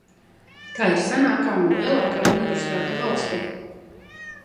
Tā ir senākā un lielākā universitāte valstī.